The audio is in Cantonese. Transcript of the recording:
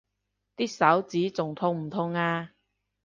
啲手指仲痛唔痛啊？